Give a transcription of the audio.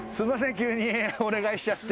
急にお願いしちゃって。